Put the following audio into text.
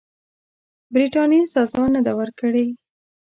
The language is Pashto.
برټانیې سزا نه ده ورکړې.